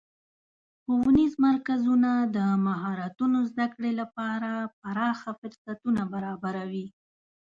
ښوونیز مرکزونه د مهارتونو زدهکړې لپاره پراخه فرصتونه برابروي.